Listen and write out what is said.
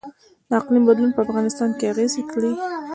د اقلیم بدلون په افغانستان اغیز کړی؟